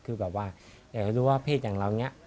คือแบบว่าอยากรู้ว่าเพศอย่างเราอย่างนี้